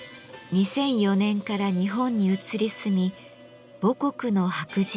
２００４年から日本に移り住み母国の白磁に挑んでいます。